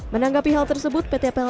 menanggapi hal tersebut pt pln siap mencari